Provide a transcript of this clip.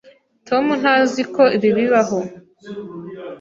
Tom ntazi ko ibi bibaho.